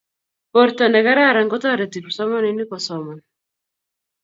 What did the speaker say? porto nekararan kotoreti kipsomaninik kosoman